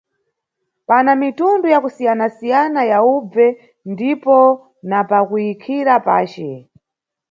Pana mitundu ya kusiyanasiyana ya ubve ndipo na pakuyikhira pace.